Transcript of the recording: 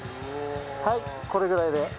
はいこれぐらいで。